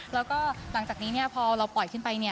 แล้วก็หลังจากนี้พอเราปล่อยขึ้นไป